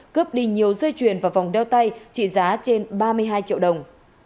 cướp đi nhiều dây chuyền và vòng đeo tay trị giá trên ba mươi hai triệu đồng